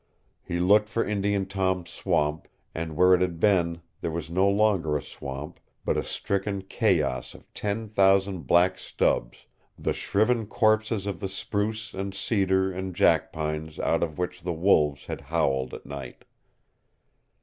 He looked for Indian Tom's swamp, and where it had been there was no longer a swamp but a stricken chaos of ten thousand black stubs, the shriven corpses of the spruce and cedar and jackpines out of which the wolves had howled at night.